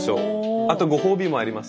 あとご褒美もあります